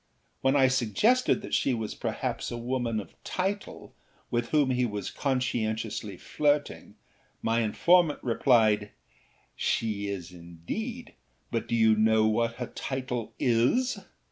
When I suggested that she was perhaps a woman of title with whom he was conscientiously flirting my informant replied: âShe is indeed, but do you know what her title is?